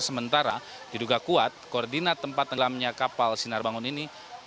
sementara diduga kuat koordinat tempat tenggelamnya kapal sinar bangun ini